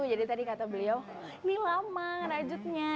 jadi tadi kata beliau ini lama rajutnya